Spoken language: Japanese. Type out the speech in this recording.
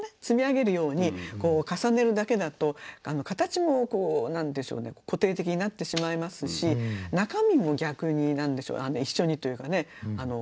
積み上げるようにこう重ねるだけだと形もこう何でしょうね固定的になってしまいますし中身も逆に何でしょう一緒にというかね